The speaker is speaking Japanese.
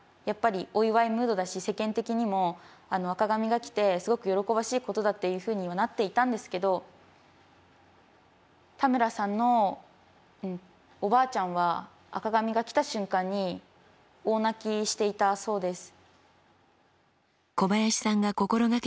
世間的にも赤紙が来てすごく喜ばしいことだっていうふうにはなっていたんですけど田村さんのおばあちゃんは赤紙が来た瞬間に大泣きしていたそうです。